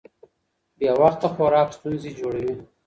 بې وخته خوراک ستونزې جوړوي.